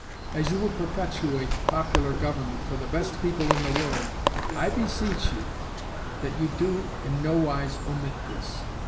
As you would perpetuate popular government for the best people in the world, I beseech you that you do in nowise omit this.